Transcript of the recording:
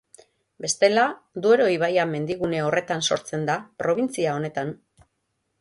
Bestela, Duero ibaia mendigune horretan sortzen da, probintzia honetan.